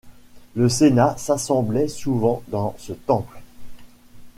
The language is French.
Le sénat s'assemblait souvent dans ce temple.